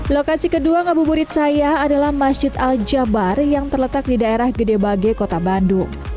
lokasi kedua ngabuburit saya adalah masjid al jabar yang terletak di daerah gede bage kota bandung